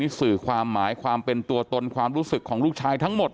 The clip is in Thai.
สื่อความหมายความเป็นตัวตนความรู้สึกของลูกชายทั้งหมด